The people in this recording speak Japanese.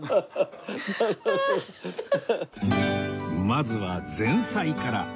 まずは前菜から